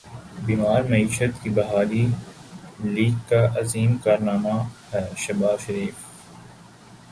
بیمار معیشت کی بحالی لیگ کا عظیم کارنامہ ہے شہباز شریف